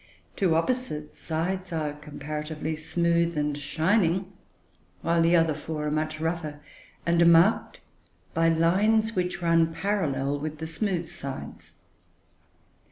Two opposite sides are comparatively smooth and shining, while the other four are much rougher, and are marked by lines which run parallel with the smooth sides.